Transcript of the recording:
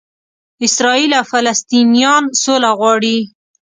اسراییل او فلسطنینان سوله غواړي.